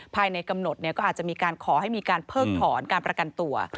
ภายในกำหนดก็อาจจะมีการขอให้มีการเพิกถอนการประกันตัว